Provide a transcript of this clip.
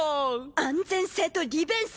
安全性と利便性よ！